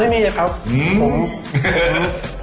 ไม่มีครับผม